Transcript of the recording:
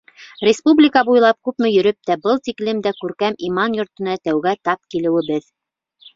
Республика буйлап күпме йөрөп тә, был тиклем дә күркәм иман йортона тәүгә тап килеүебеҙ.